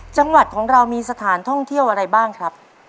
จังหวัดของเรามีสถานท่องเที่ยวอะไรบ้างครับ